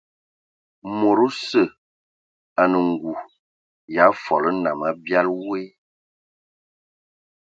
Mod osə anə ngul ya fol nnam abiali woe.